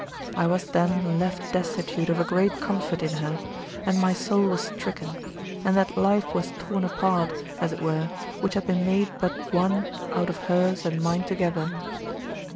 I was then left destitute of a great comfort in her, and my soul was stricken; and that life was torn apart, as it were, which had been made but one out of hers and mine together.